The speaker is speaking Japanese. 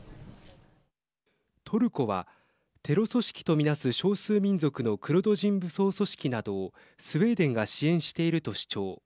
トルコはテロ組織と見なす少数民族のクルド人武装組織などをスウェーデンが支援していると主張。